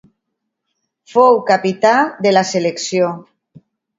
Fou capità de la selecció.